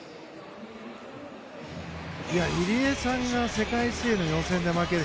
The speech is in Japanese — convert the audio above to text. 入江さんが世界水泳の予選で負ける。